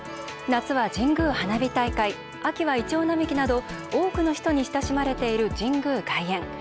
夏は神宮花火大会秋はイチョウ並木など多くの人に親しまれている神宮外苑。